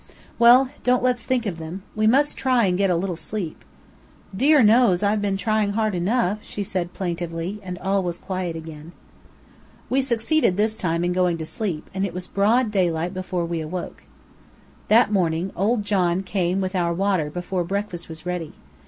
"Well, don't let's think of them. We must try and get a little sleep." "Dear knows! I've been trying hard enough," she said, plaintively, and all was quiet again. We succeeded this time in going to sleep, and it was broad daylight before we awoke. That morning, old John came with our water before breakfast was ready.